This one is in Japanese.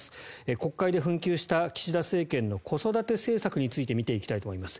国会で紛糾した岸田政権の子育て政策について見ていきたいと思います。